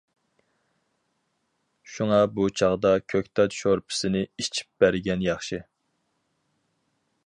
شۇڭا بۇ چاغدا كۆكتات شورپىسىنى ئىچىپ بەرگەن ياخشى.